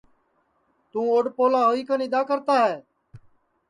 توں اوڈؔ پولا ہوئی کن اِدؔا کرتا ہے